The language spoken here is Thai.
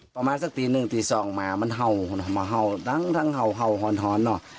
ประมาณสักตีหนึ่งตีสองมามันเห่ามาเห่าดังเห่าหอนเนอะ